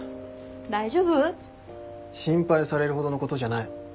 大丈夫？心配されるほどのことじゃない。